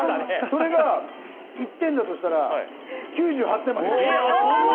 それが１点だとしたら９８点までいきます。